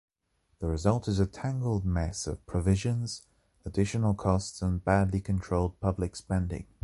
The result is a tangled mess of provisions, additional costs and badly controlled public spending.